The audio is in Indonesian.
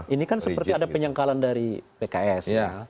ini kan seperti ada penyangkalan dari pks